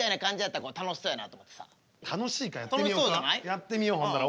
やってみようほんなら。